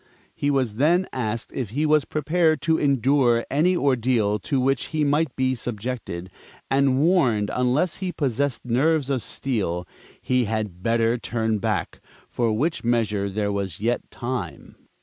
He was then asked if he was prepared to endure any ordeal to which he might be subjected, and warned unless he possessed nerves of steel, he had better turn back for which measure there was yet time.